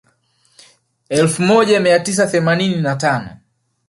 Elfu moja mia tisa themanini na tano